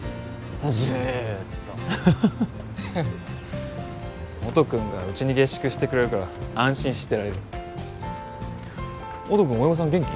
ずーっと音くんがうちに下宿してくれるから安心してられる音くん親御さん元気？